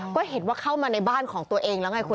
ก็เห็นว่าเข้ามาในบ้านของตัวเองแล้วไงคุณ